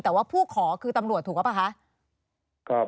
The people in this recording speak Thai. แต่ว่าผู้ขอคือตำรวจถูกหรือเปล่าคะ